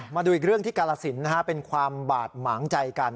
มาดูอีกเรื่องที่กาลสินเป็นความบาดหมางใจกัน